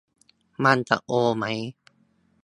มันจะโอไหม